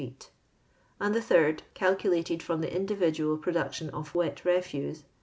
. 18,462,500 And tho third, calculated from the individual production of wet refuse .